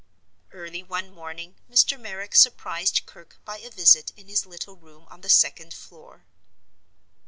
Early one morning Mr. Merrick surprised Kirke by a visit in his little room on the second floor.